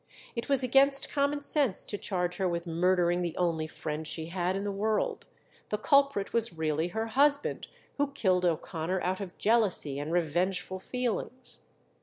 It was against common sense to charge her with murdering the only friend she had in the world; the culprit was really her husband, who killed O'Connor out of jealousy and revengeful feelings.